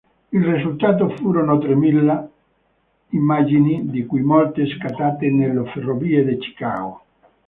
Il risultato furono tremila immagini, di cui molte scattate nelle ferrovie di Chicago.